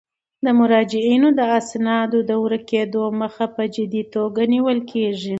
د مراجعینو د اسنادو د ورکیدو مخه په جدي توګه نیول کیږي.